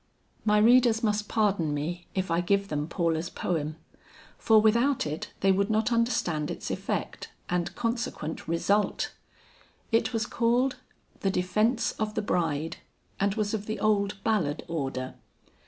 My readers must pardon me if I give them Paula's poem, for without it they would not understand its effect and consequent result. It was called, "The Defence of the Bride," and was of the old ballad order.